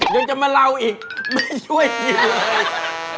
ยังจะมาเล่าอีกไม่ช่วยอีกเลย